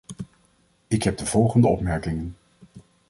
Ik heb de volgende opmerkingen.